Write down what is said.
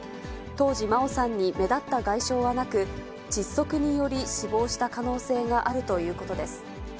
当時真愛さんに目立った外傷はなく、窒息により死亡した可能性があるということです。